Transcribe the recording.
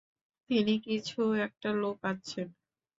তিনি কিছু একটা লুকাচ্ছেন।